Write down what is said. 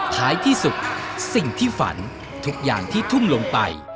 ท้ายที่สุดสิ่งที่ฝันทุกอย่างที่ทุ่มลงไป